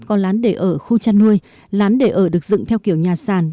có lán để ở khu chăn nuôi lán để ở được dựng theo kiểu nhà sàn